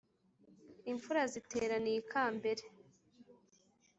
imfura ziteraniye ikambere;